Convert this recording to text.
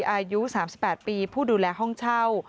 อายุ๓๘ปีผู้ดูแลห้องเช่า